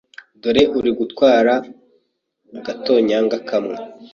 dore uri gutwara agatonyanga kamwe,